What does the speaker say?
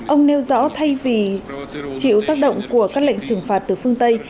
ông nêu rõ thay vì chịu tác động của các lệnh trừng phạt từ phương tây